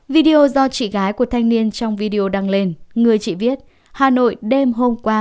video do chị gái của thanh niên trong video đăng lên người chị viết hà nội đêm hôm qua